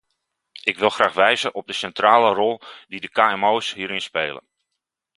Ik wil graag wijzen op de centrale rol die de kmo's hierin spelen.